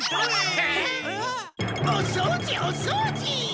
おそうじおそうじ！